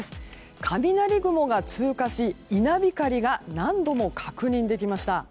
雷雲が通過し稲光が何度も確認できました。